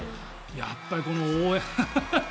やっぱり、この応援が。